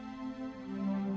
aku sudah berjalan